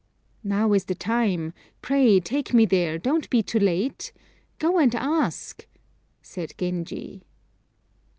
"Now is the time; pray take me there; don't be too late. Go and ask," said Genji.